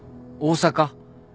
大阪？